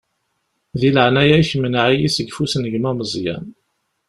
Di leɛnaya-k, mneɛ-iyi seg ufus n gma Meẓyan.